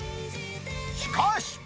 しかし。